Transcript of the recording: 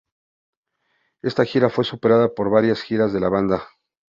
Esta gira fue superada por varias giras de la banda.